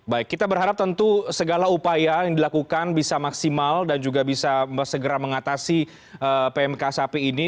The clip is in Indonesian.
baik kita berharap tentu segala upaya yang dilakukan bisa maksimal dan juga bisa segera mengatasi pmk sapi ini